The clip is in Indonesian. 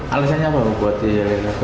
alasannya apa buat yel yel